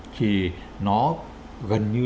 thì nó gần như